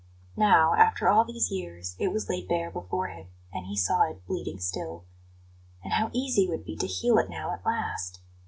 Now, after all these years, it was laid bare before him, and he saw it bleeding still. And how easy it would be to heal it now at last!